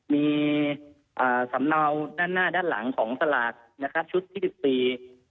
มีสำเนาหน้าด้านหลังของสลากนะครับชุดที่๑๔